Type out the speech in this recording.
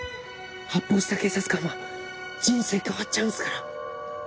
発砲した警察官は人生変わっちゃうんすから。